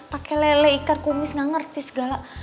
pakai lele ikan kumis gak ngerti segala